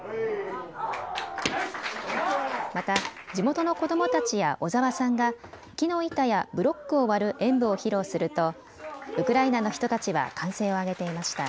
また地元の子どもたちや小沢さんが木の板やブロックを割る演舞を披露するとウクライナの人たちは歓声を上げていました。